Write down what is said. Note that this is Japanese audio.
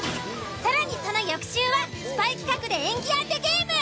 更にその翌週はスパイ企画で演技当てゲーム！